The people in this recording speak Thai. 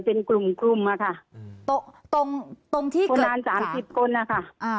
เป็นกลุ่มกลุ่มอะค่ะตรงตรงที่คนงานสามสิบคนนะคะ